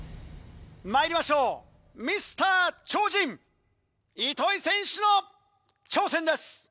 まいりましょうミスター超人糸井選手の挑戦です。